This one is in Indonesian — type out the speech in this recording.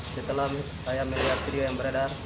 setelah saya melihat video yang beredar